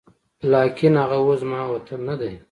لاکن هغه اوس زما وطن نه دی